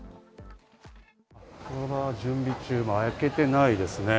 ここは準備中、開けてないですね。